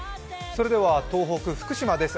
東北、福島です。